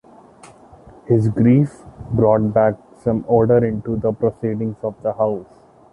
His grief brought back some order into the proceedings of the house.